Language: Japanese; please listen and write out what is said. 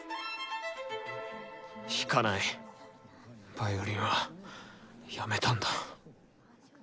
ヴァイオリンはやめたんだ。